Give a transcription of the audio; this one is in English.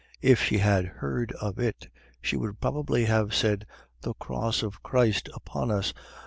If she had heard of it, she would probably have said, "The cross of Christ upon us.